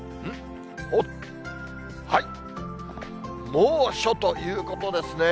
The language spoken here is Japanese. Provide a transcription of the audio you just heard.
猛暑ということですね。